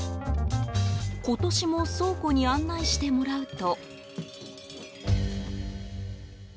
今年も倉庫に案内してもらうと。